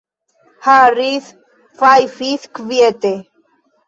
Harris fajfis kviete.